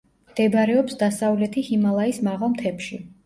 მდებარეობს დასავლეთი ჰიმალაის მაღალ მთებში.